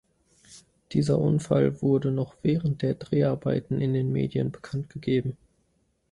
Dieser Unfall wurde noch während der Dreharbeiten in den Medien bekanntgegeben.